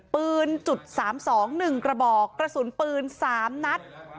ปืน๓๒๑กระบอกกระสุนปืน๓นัด